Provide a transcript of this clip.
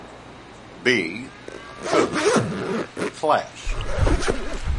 B. Cook, Class.